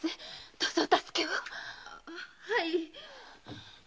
どうぞお助けを。